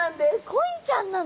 コイちゃんなの？